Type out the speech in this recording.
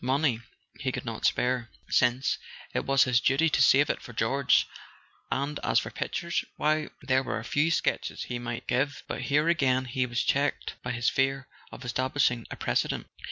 Money he could not spare, since it was his duty to save it for George; and as for pictures—why, there were a few sketches he might give, but here again he was checked by his fear of establishing a precedent.